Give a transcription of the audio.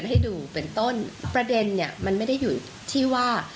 ให้ดูเป็นต้นประเด็นเนี่ยมันไม่ได้อยู่ที่ว่า